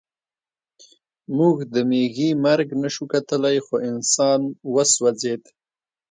موږ د مېږي مرګ نشو کتلی خو انسان وسوځېد